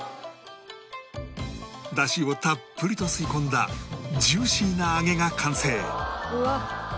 だしをたっぷりと吸い込んだジューシーな揚げが完成